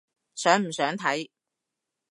想唔想睇？